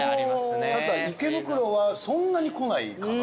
ただ池袋はそんなに来ないかな。